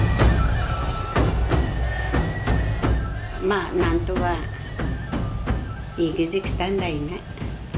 まあ何とか生きてきたんだよね。